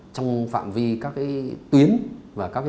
trong phạm vi các tuyến và các địa bàn